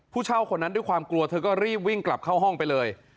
เช่าคนนั้นด้วยความกลัวเธอก็รีบวิ่งกลับเข้าห้องไปเลย